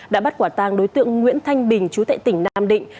đã bắt quả tàng đối tượng nguyễn thanh bình chú tệ tỉnh nam định